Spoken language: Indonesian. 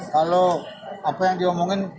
kalau apa yang diomongin